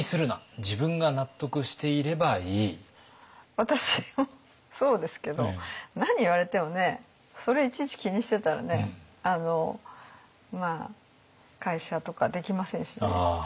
私もそうですけど何言われてもねそれいちいち気にしてたらね会社とかできませんしね。